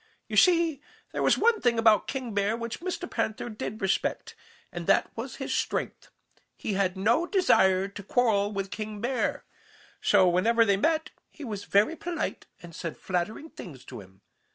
You see, there was one thing about King Bear which Mr. Panther did respect, and that was his strength. He had no desire to quarrel with King Bear. So whenever they met he was very polite and said flattering things to him.